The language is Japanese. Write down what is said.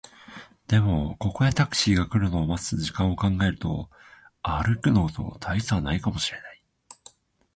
でも、ここでタクシーが来るのを待つ時間を考えると、歩くのと大差はないかもしれない